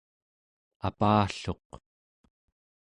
apalluq